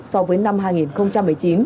so với năm hai nghìn một mươi chín